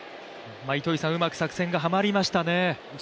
うまく作戦がはまりましたね。